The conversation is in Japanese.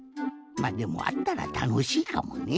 まっでもあったらたのしいかもね。